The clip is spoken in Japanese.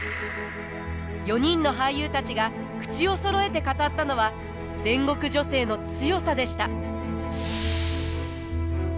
４人の俳優たちが口をそろえて語ったのは戦国女性の強さでした。